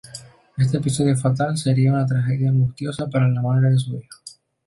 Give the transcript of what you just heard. Este episodio fatal sería una tragedia angustiosa para la madre y su hijo.